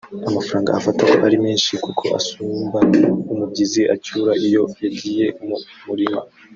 amafaranga afata ko ari menshi kuko asumba umubyizi acyura iyo yagiye mu murima